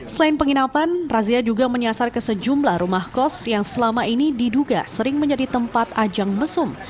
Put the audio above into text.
selain penginapan razia juga menyasar ke sejumlah rumah kos yang selama ini diduga sering menjadi tempat ajang mesum